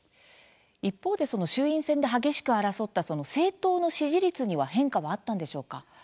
一方で衆院選で激しく争った政党の支持率には変化はあったのでしょうか。